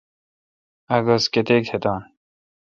اک گز کتیک تہ دان